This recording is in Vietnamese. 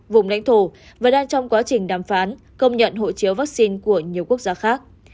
vùng lãnh thổ và đang trong quá trình đàm phán công nhận hộ chiếu vaccine của nhiều quốc gia khác